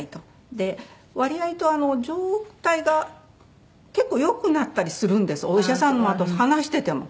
で割合と状態が結構よくなったりするんですお医者様と話してても。